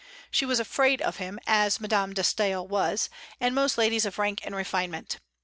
She was afraid of him, as Madame de Staël was, and most ladies of rank and refinement.